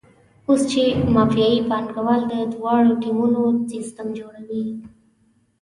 اوس چې مافیایي پانګوال د دواړو ټیمونو سیستم جوړوي.